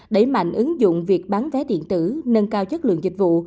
đẩy mạnh ứng dụng việc bán vé điện tử nâng cao chất lượng dịch vụ